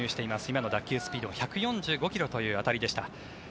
今の打球スピードが１４５ｋｍという当たりでした。